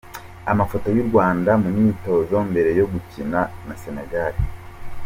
Amafoto y’u Rwanda mu myitozo mbere yo gukina na Sénégal:.